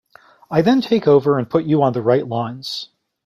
I then take over and put you on the right lines.